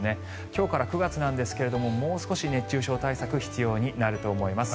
今日から９月なんですがもう少し熱中症対策が必要になると思います。